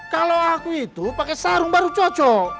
kalau aku itu pakai sarung baru cocok